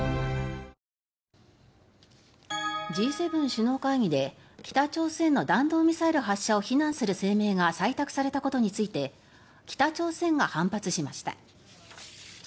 Ｇ７首脳会議で北朝鮮の弾道ミサイル発射を非難する声明が採択されたことについて北朝鮮が反発しました。